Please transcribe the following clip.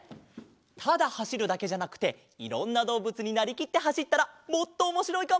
ただはしるだけじゃなくていろんなどうぶつになりきってはしったらもっとおもしろいかも！